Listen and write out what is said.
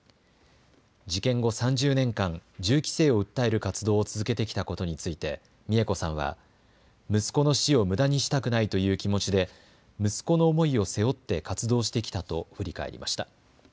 事件後、３０年間、銃規制を訴える活動を続けてきたことについて美恵子さんは息子の死をむだにしたくないという気持ちで息子の思いを背負って活動してきたと振り返りました。